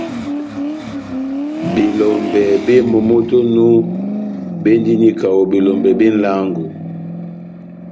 Belɔmbɛ bep momó tɛ́h onu béndini kaho belɔmbɛ bé nʼlángo.